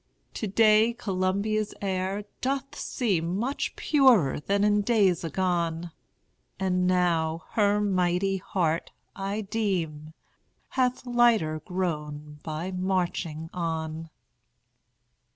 To day Columbia's air doth seem Much purer than in days agone; And now her mighty heart, I deem, Hath lighter grown by marching on.